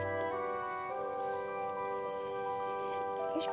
よいしょ。